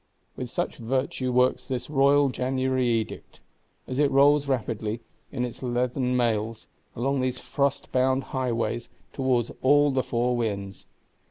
With such virtue works this Royal January Edict; as it rolls rapidly, in its leathern mails, along these frostbound highways, towards all the four winds.